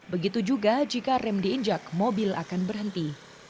begitu juga jika rem diinjak mobil akan berhenti